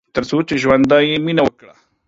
تر څو چې ژوندی يې ، مينه وکړه